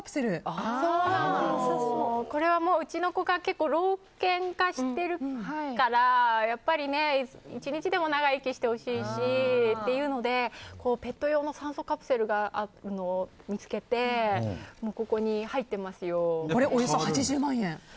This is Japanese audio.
これはうちの子が結構老犬化してるから１日でも長生きしてほしいしというのでペット用の酸素カプセルを見つけておよそ８０万円。